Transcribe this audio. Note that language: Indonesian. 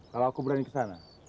kalau aku berani kesana